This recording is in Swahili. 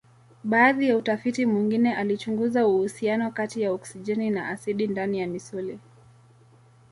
Baadhi ya utafiti mwingine alichunguza uhusiano kati ya oksijeni na asidi ndani ya misuli.